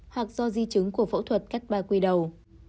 hoặc do di chứng của phẫu thuật cắt ba quy đầu